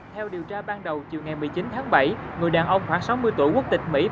theo điều tra ban đầu chiều ngày một mươi chín tháng bảy người đàn ông khoảng sáu mươi tuổi quốc tịch mỹ